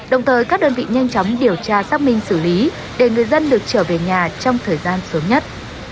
đồng thời các đơn vị nhanh chóng điều tra xác minh xử lý để người dân được trở về nhà trong thời gian sớm nhất